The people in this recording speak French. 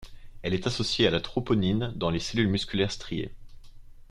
Elle est associée à la troponine dans les cellules musculaires striées.